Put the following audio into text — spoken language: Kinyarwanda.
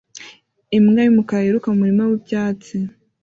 Imbwa yumukara yiruka mumurima wibyatsi